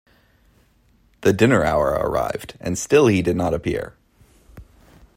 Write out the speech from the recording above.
The dinner-hour arrived, and still he did not appear.